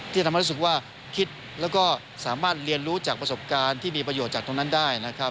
ที่ทำให้รู้สึกว่าคิดแล้วก็สามารถเรียนรู้จากประสบการณ์ที่มีประโยชน์จากตรงนั้นได้นะครับ